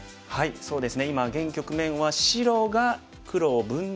そうですね。